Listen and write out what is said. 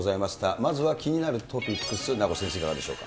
まずは気になるトピックス、名越先生、いかがでしょうか。